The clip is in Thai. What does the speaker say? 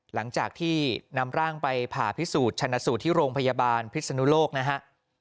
หลังจากที่นำร่างไปผ่าพิสูจน์ชนะสูตรที่โรงพยาบาลพิศนุโลกนะฮะ